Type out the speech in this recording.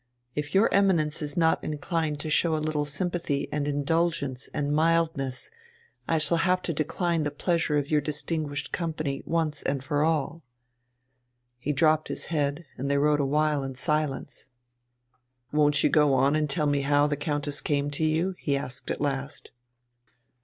If your Eminence is not inclined to show a little sympathy and indulgence and mildness, I shall have to decline the pleasure of your distinguished company once and for all." He dropped his head, and they rode a while in silence. "Won't you go on to tell me how the Countess came to you?" he asked at last.